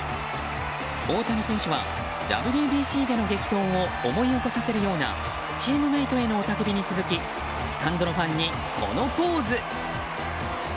大谷選手はＷＢＣでの激闘を思い起こさせるようなチームメートへの雄たけびに続きスタンドのファンにこのポーズ！